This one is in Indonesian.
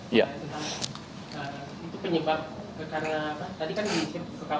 saya ingin menanyakan